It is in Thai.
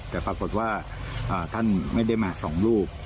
แต่ปรากฏว่าท่านไม่ได้มาสองรูป